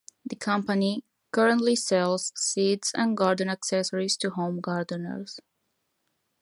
The company currently sells seeds and garden accessories to home gardeners.